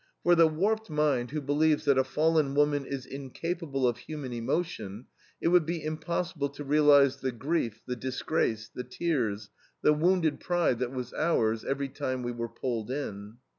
For the warped mind who believes that a fallen woman is incapable of human emotion it would be impossible to realize the grief, the disgrace, the tears, the wounded pride that was ours every time we were pulled in."